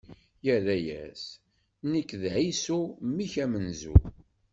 Irra-yas: Nekk, d Ɛisu, mmi-k amenzu.